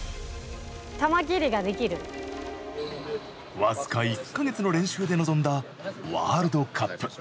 僅か１か月の練習で臨んだワールドカップ。